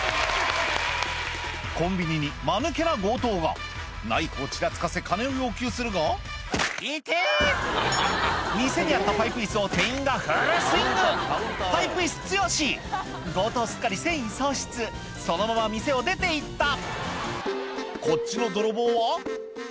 コンビニにマヌケな強盗がナイフをちらつかせ金を要求するが「痛ぇ！」店にあったパイプ椅子を店員がフルスイングパイプ椅子強し強盗すっかり戦意喪失そのまま店を出て行ったこっちの泥棒は？